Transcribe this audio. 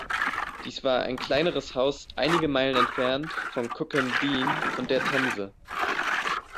Dies war ein kleineres Haus einige Meilen entfernt von Cookham Dene und der Themse.